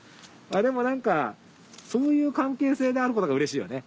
でも何かそういう関係性であることが嬉しいよね。